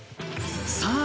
さあ